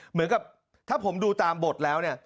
เหมือนกับถ้าผมดูตามบทแล้วเนี่ย